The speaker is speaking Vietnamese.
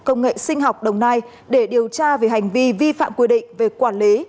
công nghệ sinh học đồng nai để điều tra về hành vi vi phạm quy định về quản lý